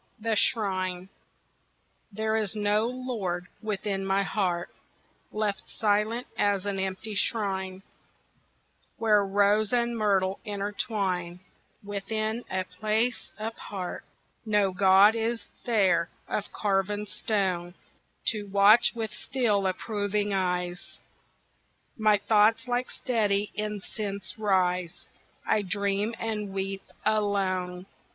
The Shrine There is no lord within my heart, Left silent as an empty shrine Where rose and myrtle intertwine, Within a place apart. No god is there of carven stone To watch with still approving eyes My thoughts like steady incense rise; I dream and weep alone.